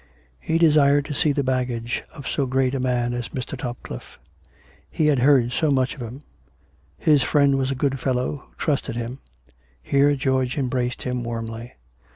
He desired to see the baggage of so great a man as Mr. Top cliffe; he had heard so much of him. His friend was a good fellow who trusted him (here George embraced him warmly).